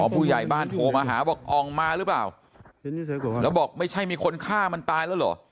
ผู้ใหญ่บ้านโทรมาหาบอกอองมาหรือเปล่าแล้วบอกไม่ใช่มีคนฆ่ามันตายแล้วเหรอ